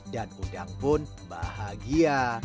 dan udang pun bahagia